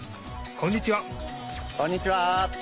こんにちは！